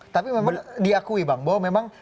tapi memang diakui bang bahwa memang